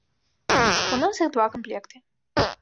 У нас іх два камплекты.